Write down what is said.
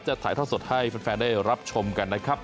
ถ่ายท่อสดให้แฟนได้รับชมกันนะครับ